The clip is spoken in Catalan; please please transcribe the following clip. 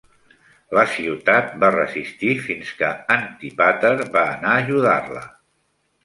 La ciutat va resistir fins que Antípater va anar a ajudar-la.